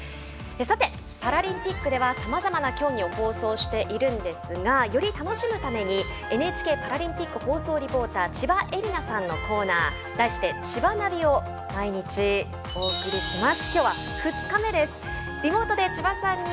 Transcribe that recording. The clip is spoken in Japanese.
パラリンピックではさまざまな競技を放送しているんですがより楽しむためにＮＨＫパラリンピック放送リポーター千葉絵里菜さんのコーナー題して「ちばナビ」を毎日、お送りします。